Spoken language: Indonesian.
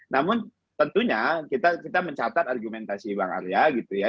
namun tentunya kita mencatat argumentasi bang arya gitu ya